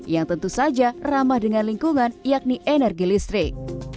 yang tentu saja ramah dengan lingkungan yakni energi listrik